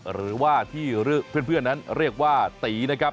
หรือว่าที่เพื่อนนั้นเรียกว่าตีนะครับ